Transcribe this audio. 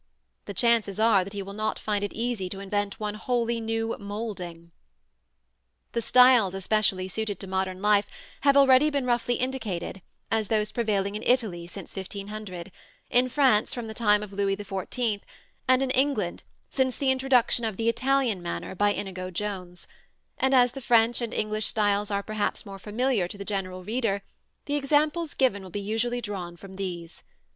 The chances are that he will not find it easy to invent one wholly new moulding. The styles especially suited to modern life have already been roughly indicated as those prevailing in Italy since 1500, in France from the time of Louis XIV, and in England since the introduction of the Italian manner by Inigo Jones; and as the French and English styles are perhaps more familiar to the general reader, the examples given will usually be drawn from these.